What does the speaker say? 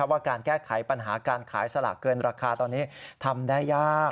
ว่าการแก้ไขปัญหาการขายสลากเกินราคาตอนนี้ทำได้ยาก